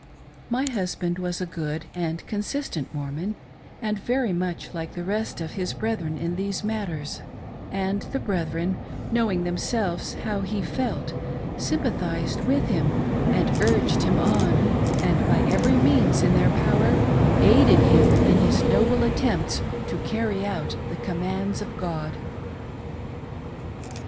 My husband was a good and consistent Mormon, and very itnuch like the rest of his brethren in these matters ; and the brethren, knowing themselves how he felt, sympathised with him, and urged hira on, and, by every means in their power; aided him in his noble attempts to carry out " the commands of God!"